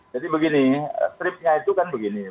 jadi begini stripnya itu kan begini